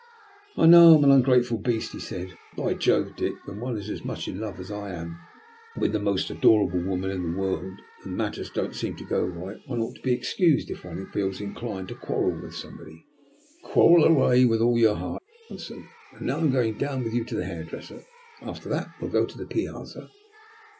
"I know I am an ungrateful beast," he said. "But, by Jove, Dick, when one is as much in love as I am, and with the most adorable woman in the world, and matters don't seem to go right, one ought to be excused if one feels inclined to quarrel with somebody." "Quarrel away with all your heart," I answered. "And now I am going down with you to the hairdresser. After that we'll go to the piazza."